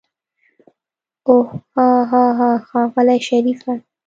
اوح هاهاها ښاغلی شريفه.